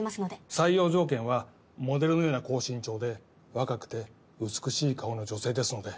採用条件はモデルのような高身長で若くて美しい顔の女性ですので。